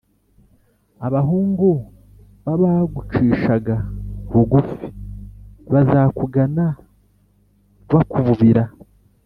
abahungu b’abagucishaga bugufi bazakugana bakububira;